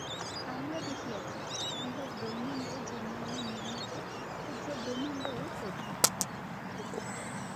আমরা দেখিয়াছি, বৃহৎ ব্রহ্মাণ্ড যে নিয়মে নির্মিত, ক্ষুদ্র ব্রহ্মাণ্ডও তদ্রূপ।